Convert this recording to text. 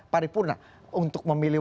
paripurna untuk memilih